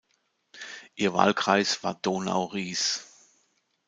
Ihr Wahlkreis war Donau-Ries.